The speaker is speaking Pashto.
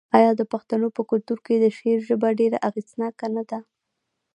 آیا د پښتنو په کلتور کې د شعر ژبه ډیره اغیزناکه نه ده؟